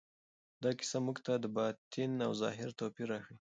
دا کیسه موږ ته د باطن او ظاهر توپیر راښيي.